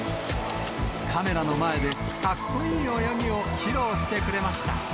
カメラの前で、かっこいい泳ぎを披露してくれました。